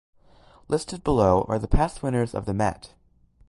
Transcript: Listed below are the past winners of the Met.